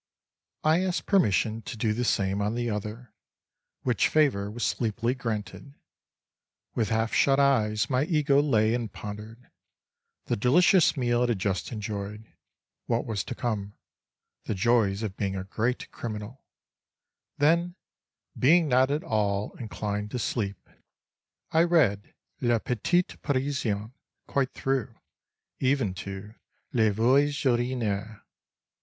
I asked permission to do the same on the other, which favor was sleepily granted. With half shut eyes my Ego lay and pondered: the delicious meal it had just enjoyed; what was to come; the joys of being a great criminal … then, being not at all inclined to sleep, I read Le Petit Parisien quite through, even to _Les Voies Urinaires.